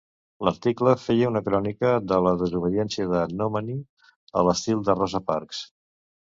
L"article feia una crònica de la desobediència de Nomani a l"estil de Rosa Parks.